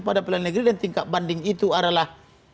pada pilihan negeri dan tingkat banding itu adalah